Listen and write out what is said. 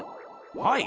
はい。